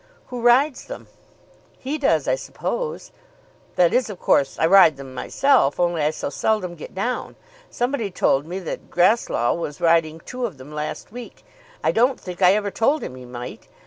"Who rides them?" "He does, I suppose. That is, of course, I ride them myself, only I so seldom get down. Somebody told me that Grasslough was riding two of them last week. I don't think I ever told him he might.